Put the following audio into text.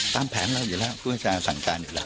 ตามแผนเราอยู่แล้วผู้ประชาสั่งการอยู่แล้ว